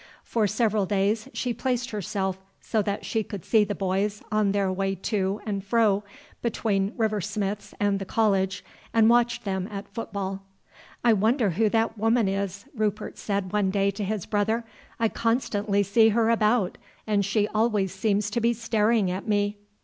For several days she placed herself so that she could see the boys on their way to and fro between River Smith's and the college, and watched them at football. "I wonder who that woman is," Rupert said one day to his brother. "I constantly see her about, and she always seems to be staring at me."